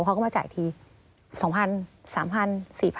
เขาก็มาจ่ายที๒๐๐๐๓๐๐๐๔๐๐๐บาท